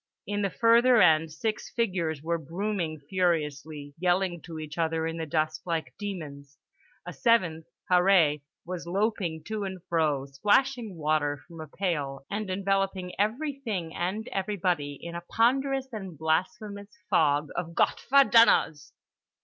In the further end six figures were brooming furiously, yelling to each other in the dust like demons. A seventh, Harree, was loping to and fro splashing water from a pail and enveloping everything and everybody in a ponderous and blasphemous fog of Gott ver dummers.